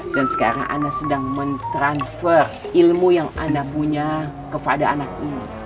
dan sekarang anak sedang mentransfer ilmu yang anak punya kepada anak ini